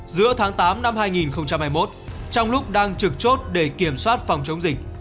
giữa tháng tám năm hai nghìn hai mươi một trong lúc đang trực chốt để kiểm soát phòng chống dịch